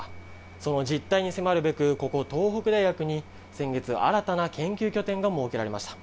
その実態に迫るべく、ここ、東北大学に先月、新たな研究拠点が設けられました。